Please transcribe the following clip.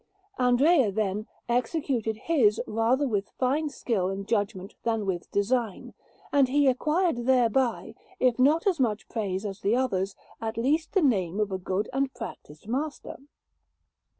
Andrea, then, executed his rather with fine skill and judgment than with design; and he acquired thereby, if not as much praise as the others, at least the name of a good and practised master.